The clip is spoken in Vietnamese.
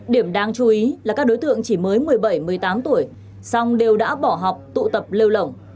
điểm đáng chú ý là các đối tượng chỉ mới một mươi bảy một mươi tám tuổi xong đều đã bỏ học tụ tập lêu lỏng